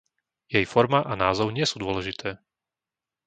Jej forma a názov nie sú dôležité.